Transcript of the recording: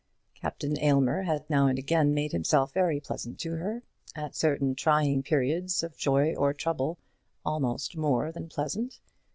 Captain Aylmer had now and again made himself very pleasant to her, at certain trying periods of joy or trouble almost more than pleasant.